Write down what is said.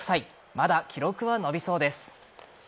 まだ記録は伸びそうです。